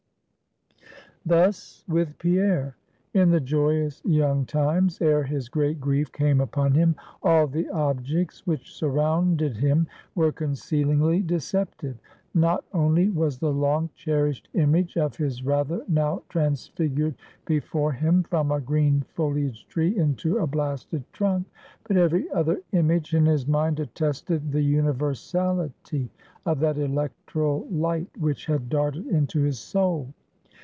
Thus with Pierre. In the joyous young times, ere his great grief came upon him, all the objects which surrounded him were concealingly deceptive. Not only was the long cherished image of his rather now transfigured before him from a green foliaged tree into a blasted trunk, but every other image in his mind attested the universality of that electral light which had darted into his soul.